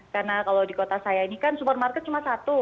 karena kalau di kota saya ini kan supermarket cuma satu